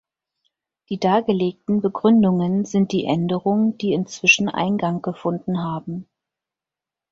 Die dargelegten Begründungen sind die Änderungen, die inzwischen Eingang gefunden haben.